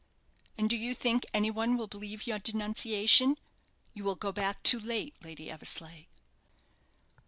"And do you think any one will believe your denunciation? You will go back too late Lady Eversleigh."